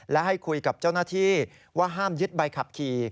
และให้คุยกับเจ้าหน้าที่ว่าห้ามยึดใบขับขี่